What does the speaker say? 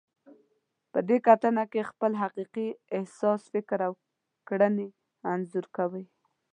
په دې کتنه کې خپل حقیقي احساس، فکر او کړنې انځور کوئ.